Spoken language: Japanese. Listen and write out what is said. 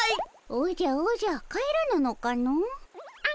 おじゃおじゃ帰らぬのかの。